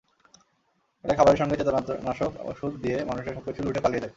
এরা খাবারের সঙ্গে চেতনানাশক ওষুধ দিয়ে মানুষের সবকিছু লুটে পালিয়ে যায়।